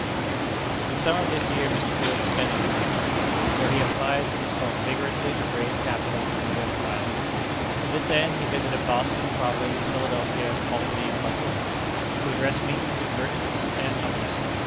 The summer of this year Mr. Field spent in America, where he applied himself vigorously to raise capital for the new enterprise. To this end he visited Boston, Providence, Philadelphia, Albany, and Buffalo to address meetings of merchants and others.